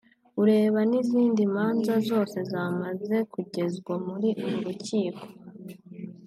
ureba n’izindi manza zose zamaze kugezwa muri uru rukiko